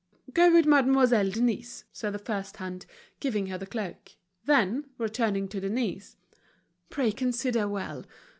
"Go with Mademoiselle Denise," said the first hand, giving her the cloak. Then, returning to Denise: "Pray consider well.